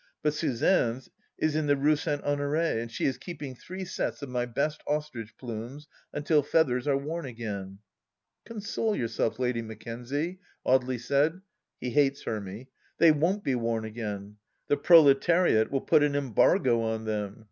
But Suzanne's is in the Rue St. Honore, and she is keeping three sets of my best ostrich plumes, until feathers are worn again !"" Console yourself. Lady Mackenzie," Audely said (he hates Hermy), " they won't be worn again. The proletariat will put an embargo on them.